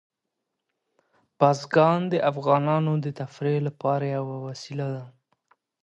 بزګان د افغانانو د تفریح لپاره یوه وسیله ده.